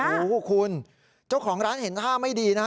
โอ้โหคุณเจ้าของร้านเห็นท่าไม่ดีนะฮะ